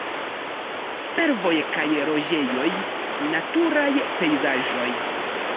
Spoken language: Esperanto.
Servoj kaj loĝejoj, naturaj pejzaĝoj.